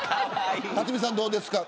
辰巳さん、どうですか。